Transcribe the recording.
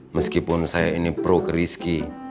meskipun saya ini pro keriski